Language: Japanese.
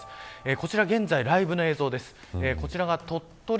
こちら、現在ライブの映像です。